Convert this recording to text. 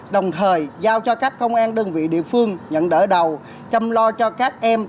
đồng thời giao cho các công an đơn vị địa phương nhận đỡ đầu chăm lo cho các em